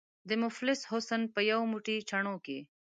د مفلس حسن په یو موټی چڼو ځي.